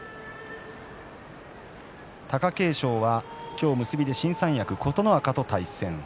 貴景勝は今日結びで新三役琴ノ若と対戦。